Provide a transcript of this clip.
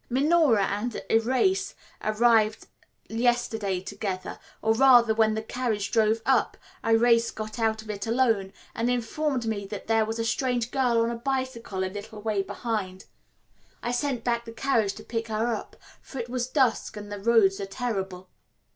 Minora and Irais arrived yesterday together; or rather, when the carriage drove up, Irais got out of it alone, and informed me that there was a strange girl on a bicycle a little way behind. I sent back the carriage to pick her up, for it was dusk and the roads are terrible.